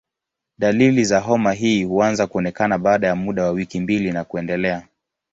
Dalili za homa hii huanza kuonekana baada ya muda wa wiki mbili na kuendelea.